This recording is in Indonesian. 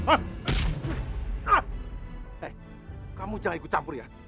eh kamu jangan ikut campur ya